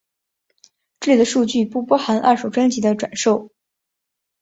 这里的数据不包含二手专辑的转售。